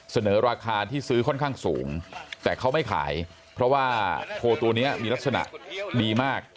เสนอราคาที่ซื้อค่อนข้างสูงแต่เขาไม่ขายเพราะว่าโพลตัวนี้มีลักษณะดีมาก